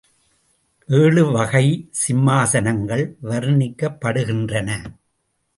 ஏழு வகை சிம்மாசனங்கள் வர்ணிக்கப்படுகின்றன.